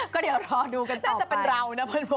ก็เดี๋ยวรอดูกันต่อไป